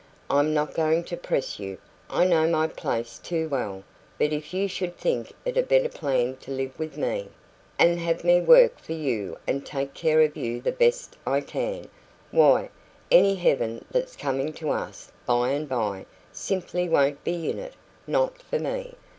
I'm not going to press you I know my place too well; but if you should think it a better plan to live with me, and have me work for you and take care of you the best I can, why, any heaven that's coming to us by and by simply won't be in it not for me."